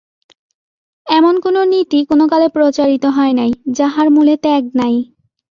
এমন কোন নীতি কোন কালে প্রচারিত হয় নাই, যাহার মূলে ত্যাগ নাই।